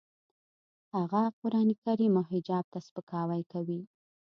هغه قرانکریم او حجاب ته سپکاوی کوي